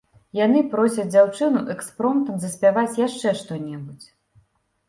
Яны просяць дзяўчыну экспромтам заспяваць яшчэ што-небудзь.